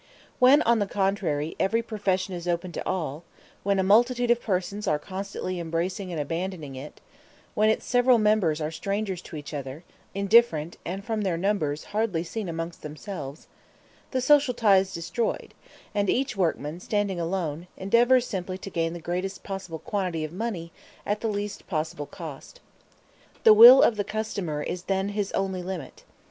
When, on the contrary, every profession is open to all when a multitude of persons are constantly embracing and abandoning it and when its several members are strangers to each other, indifferent, and from their numbers hardly seen amongst themselves; the social tie is destroyed, and each workman, standing alone, endeavors simply to gain the greatest possible quantity of money at the least possible cost. The will of the customer is then his only limit.